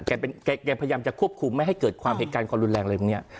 แกพยายามจะควบคุมไม่ให้เกิดความเหตุการณ์ความรุนแรงอะไรแบบนี้